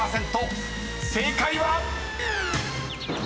正解は⁉］